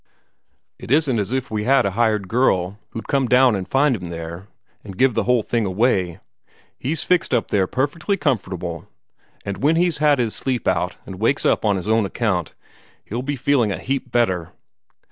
It isn't as if we had a hired girl, who'd come down and find him there, and give the whole thing away. He's fixed up there perfectly comfortable; and when he's had his sleep out, and wakes up on his own account, he'll be feeling a heap better."